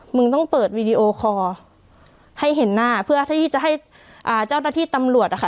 มึงต้องเปิดวีดีโอคอร์ให้เห็นหน้าเพื่อที่จะให้อ่าเจ้าหน้าที่ตำรวจนะคะ